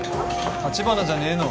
立花じゃねえの？